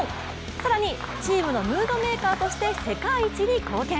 更にチームのムードメーカーとして世界一に貢献。